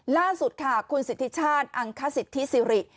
ล่าสุดค่ะคุณสิทธิชาติอังคสิทธิสิริ